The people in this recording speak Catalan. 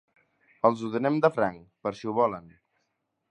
Els ho donem de franc, per si ho volen.